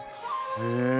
へえ。